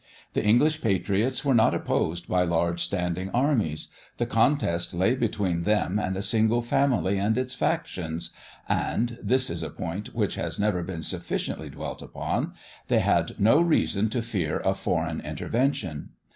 The English patriots were not opposed by large standing armies; the contest lay between them and a single family and its faction, and this is a point which has never been sufficiently dwelt upon they had no reason to fear a foreign intervention.